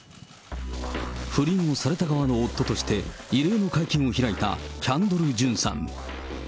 不倫をされた側の夫として、異例の会見を開いたキャンドル・ジュンさん。